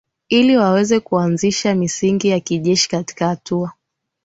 ili waweze kuanzisha misingi ya kijeshi katika Hatua